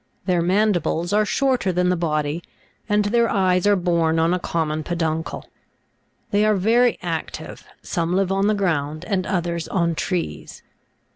Their mandibles are shorter than the body, and their eyes are borne on a common peduncle. They are very active ; some live on the ground, and others on trees.